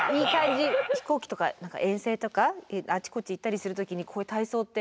飛行機とか何か遠征とかあちこち行ったりする時にこういう体操って？